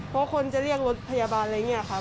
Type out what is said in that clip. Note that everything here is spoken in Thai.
เพราะคนจะเรียกรถพยาบาลอะไรอย่างนี้ค่ะ